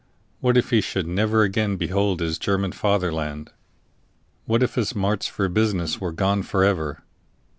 What if he should never again behold his German fatherland? What if his marts for business were gone for ever?